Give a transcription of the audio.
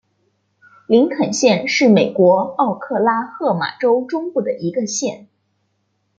林肯县是美国奥克拉荷马州中部的一个县。